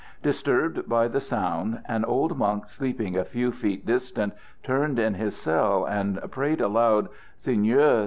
Disturbed by the sound, an old monk sleeping a few feet distant turned in his cell and prayed aloud: "_Seigneur!